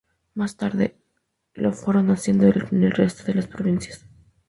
Más tarde lo fueron haciendo en el resto de las provincias.